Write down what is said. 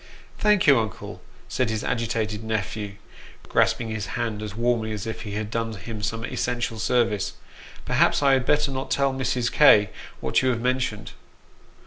" Thank you, uncle," said his agitated nephew, grasping his hand as warmly as if he had done him some essential service. " Perhaps I had better not tell Mrs. K. what you have mentioned."